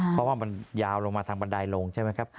เพราะว่ามันยาวลงมาทางบันไดลงใช่ไหมครับ